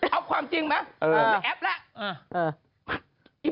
เอาความจริงไหม